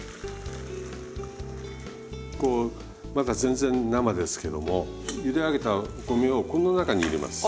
こうまだ全然生ですけどもゆで上げたお米をこの中に入れます。